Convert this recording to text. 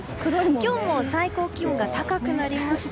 今日も最高気温が高くなりました。